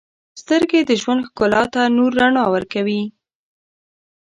• سترګې د ژوند ښکلا ته نور رڼا ورکوي.